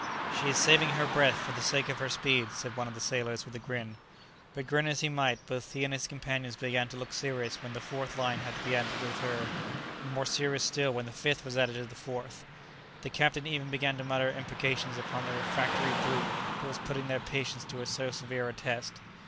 "She is saving her breath for the sake of her speed," said one of the sailors with a grin. But grin as he might, both he and his companions began to look serious when the fourth line had to be added to the third, and more serious still when the fifth was added to the fourth. The captain even began to mutter imprecations upon the refractory brute that was putting their patience to so severe a test.